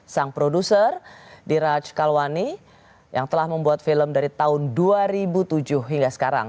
sang produser di raj kalwani yang telah membuat film dari tahun dua ribu tujuh hingga sekarang